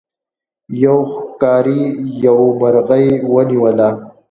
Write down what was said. یو ښکاري یو مرغۍ ونیوله.